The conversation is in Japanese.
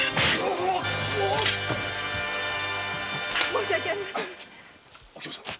申し訳ありません。